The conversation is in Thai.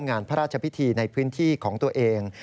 งานพระราชพิธีในพื้นที่ของตัวเอง